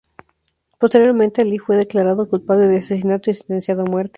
Posteriormente, Lee fue declarado culpable de asesinato y sentenciado a muerte.